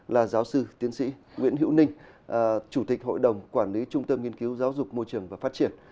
là giáo sư tiến sĩ nguyễn hữu ninh chủ tịch hội đồng quản lý trung tâm nghiên cứu giáo dục môi trường và phát triển